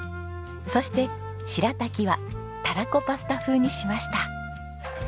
そしてしらたきはたらこパスタ風にしました。